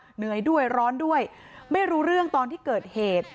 เหนื่อยด้วยร้อนด้วยไม่รู้เรื่องตอนที่เกิดเหตุ